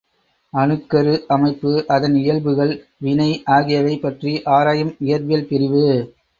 அணுக் கரு அமைப்பு, அதன் இயல்புகள், வினை ஆகியவை பற்றி ஆராயும் இயற்பியல் பிரிவு.